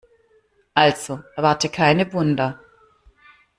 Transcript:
Also erwarte keine Wunder.